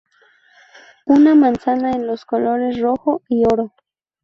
Una manzana en los colores rojo y oro.